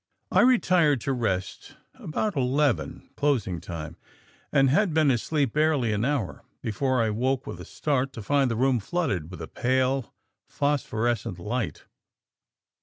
"I retired to rest about eleven closing time and had been asleep barely an hour before I awoke with a start to find the room flooded with a pale, phosphorescent light.